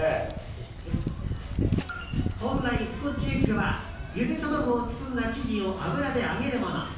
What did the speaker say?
本来、スコッチエッグはゆで卵を包んだ生地を油で揚げるもの。